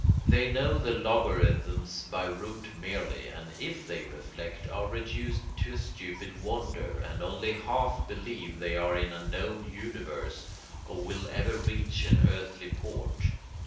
They know the logarithms by rote merely, and if they reflect are reduced to a stupid wonder and only half believe they are in a known universe or will ever reach an earthly port.